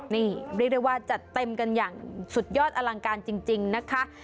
นี่เรียกได้ว่าจัดเต็มกันอย่างสุดยอดอลังการจริงนะคะ